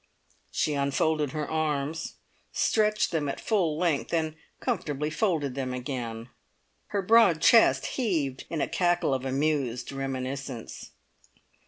She unfolded her arms, stretched them at full length, and comfortably folded them again. Her broad chest heaved in a cackle of amused reminiscence.